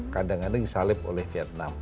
kadang kadang disalib oleh vietnam